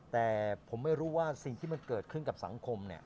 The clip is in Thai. แต่ผมไม่รู้ว่าสิ่งที่มันเกิดขึ้นกับสังคมเนี่ย